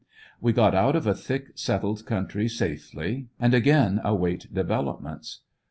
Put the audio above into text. We got out of a thick settled country safely, and ajain await developments.